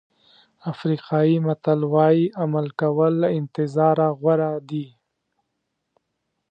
افریقایي متل وایي عمل کول له انتظار غوره دي.